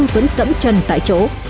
vẫn sẫm chân tại chỗ